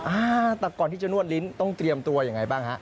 อ่าแต่ก่อนที่จะนวดลิ้นต้องเตรียมตัวยังไงบ้างฮะ